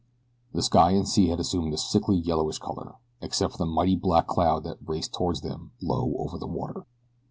The sky and sea had assumed a sickly yellowish color, except for the mighty black cloud that raced toward them, low over the water.